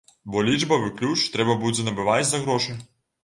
Бо лічбавы ключ трэба будзе набываць за грошы.